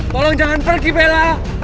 tolong jangan pergi bella